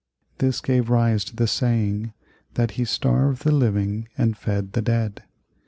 This gave rise to the saying that he starved the living and fed the dead.